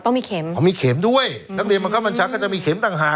เข็มอ๋อมีเข็มด้วยนักเรียนบังคับบัญชาก็จะมีเข็มต่างหาก